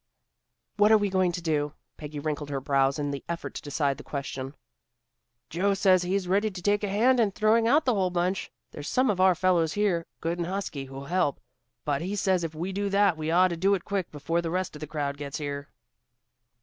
"What are we going to do?" Peggy wrinkled her brows in the effort to decide the question. "Joe says he's ready to take a hand in throwing out the whole bunch. There's some of our fellows here, good and husky, who'll help. But he says if we do that, we ought to do it quick, before the rest of the crowd gets here."